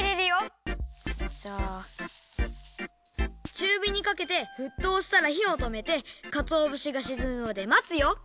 ちゅうびにかけてふっとうしたらひをとめてかつおぶしがしずむまでまつよ！